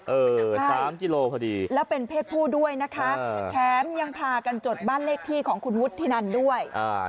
๓กิโลพอดีแล้วเป็นเพศผู้ด้วยนะคะแถมยังพากันจดบ้านเลขที่ของคุณวุฒินันด้วย